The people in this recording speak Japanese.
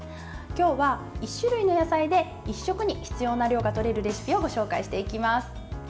今日は１種類の野菜で１食に必要な量がとれるレシピをご紹介していきます。